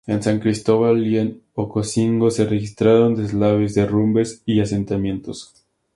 En San Cristóbal y en Ocosingo, se registraron deslaves, derrumbes y asentamientos.